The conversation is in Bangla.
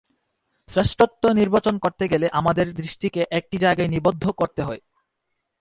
শ্রেষ্ঠত্ব নির্বাচন করতে গেলে আমাদের দৃষ্টিকে একটি জায়গায় নিবদ্ধ করতে হয়।